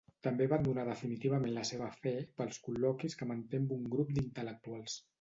També abandona definitivament la seva fe pels col·loquis que manté amb un grup d'intel·lectuals.